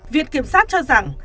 viện kiểm sát cho rằng